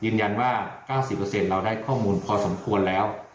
ยินยันว่า๙๐เราได้ข้อมูลพอสมควรแล้ว